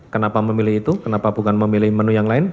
kenapa memilih itu kenapa bukan memilih menu yang lain